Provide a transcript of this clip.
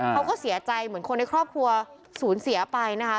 เขาก็เสียใจเหมือนคนในครอบครัวสูญเสียไปนะคะ